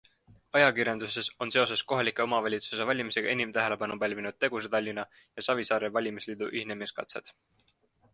Ajakirjanduses on seoses kohalike omavalitsuste valimistega enim tähelepanu pälvinud Tegusa Tallinna ja Savisaare valimisliidu ühinemiskatsed.